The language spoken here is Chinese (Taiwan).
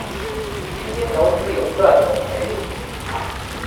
基金投資有賺有賠